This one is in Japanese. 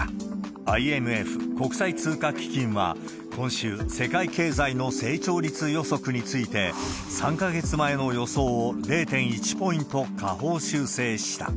ＩＭＦ・国際通貨基金は、今週、世界経済の成長率予測について、３か月前の予想を０．１ポイント下方修正した。